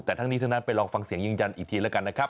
แต่ทั้งนี้ทั้งนั้นไปลองฟังเสียงยืนยันอีกทีแล้วกันนะครับ